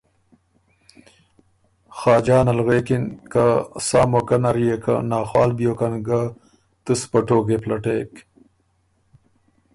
خاجان ال غوېکِن که ”سا موقع نر يې که ناخوال بیوکن ګۀ، تُو سُو په ټوقئ پلټېک“